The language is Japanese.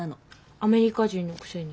アメリカ人のくせに。